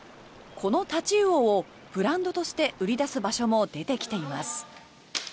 このタチウオをブランドとして売り出す場所も出てきています。